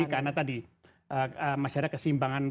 karena tadi masyarakat kesimbangan